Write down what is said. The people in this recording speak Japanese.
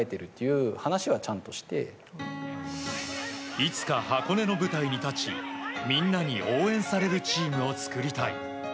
いつか箱根の舞台に立ちみんなに応援されるチームを作りたい。